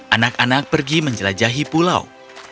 anak anak pergi menjelajahi pulau